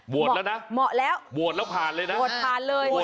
หมดแล้วนะหมดแล้วหมดแล้วผ่านเลยนะหมดผ่านเลย